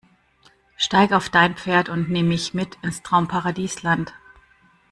Steig auf dein Pferd und nimm mich mit ins Traumparadisland.